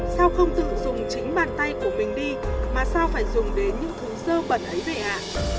sao không tự dùng chính bàn tay của mình đi mà sao phải dùng đến những thứ dơ bẩn ấy vậy ạ